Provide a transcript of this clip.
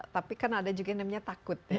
tapi kan ada juga yang namanya takut